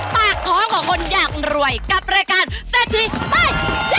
ปากท้องของคนอยากรวยกับรายการเซททีไป